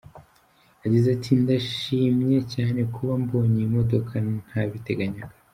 Yagize ati “Ndishimye cyane kuba mbonye iyi modoka ntabiteganyaga.